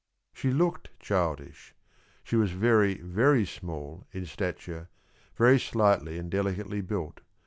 She looked childish. She was very, very small in stature, very slightly and delicately built.